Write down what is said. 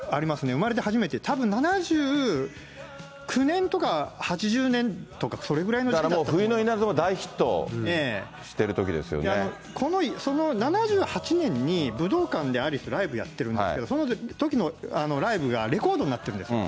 生まれて初めて、たぶん７９年とか８０年とか、それぐらいの時期だからもう、冬の稲妻大ヒッその７８年に武道館でアリス、ライブやってるんですけど、そのときのライブがレコードになってるんですよ。